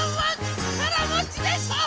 ちからもちでしょ！